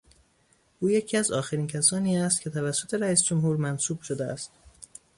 او یکی از آخرین کسانی است که توسط رئیس جمهور منصوب شده است.